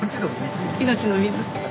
命の水。